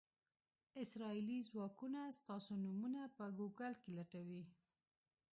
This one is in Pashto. اسرائیلي ځواکونه ستاسو نومونه په ګوګل کې لټوي.